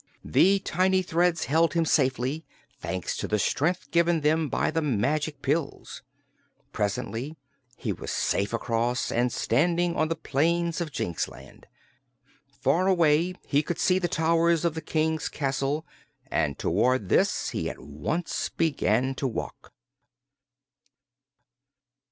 The tiny threads held him safely, thanks to the strength given them by the magic pills. Presently he was safe across and standing on the plains of Jinxland. Far away he could see the towers of the King's castle and toward this he at once began to walk.